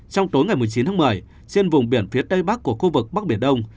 trong tối ngày một mươi chín tháng một mươi trên vùng biển phía tây bắc của khu vực bắc biển đông